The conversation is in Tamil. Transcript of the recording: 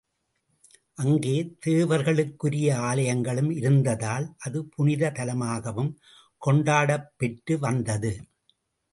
அங்கே தேவர்களுக்குரிய ஆலயங்களும் இருந்ததால், அது புனிதத் தலமாகவும் கொண்டாடப்பெற்று வந்தது.